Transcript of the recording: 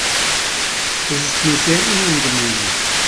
Das ist mir sehr unangenehm.